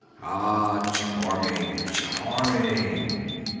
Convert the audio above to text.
B. Ah, charming, charming.